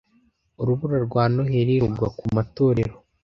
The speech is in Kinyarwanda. urubura rwa noheri rugwa ku matorero